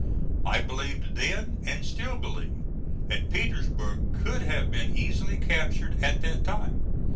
I believed then, and still believe, that Petersburg could have been easily captured at that time.